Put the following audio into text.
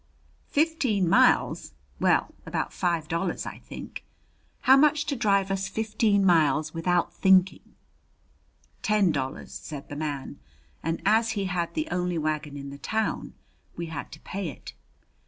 "Fifteen miles! Well, about five dollars, but I think " "How much to drive us fifteen miles without thinking?" "Ten dollars," said the man; and as he had the only wagon in the town we had to pay it.